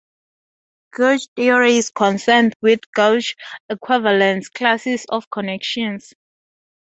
Gauge theory is concerned with gauge equivalence classes of connections.